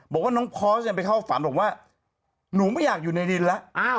บอกว่าน้องพอสไปเข้าฝันบอกว่าหนูไม่อยากอยู่ในดินแล้ว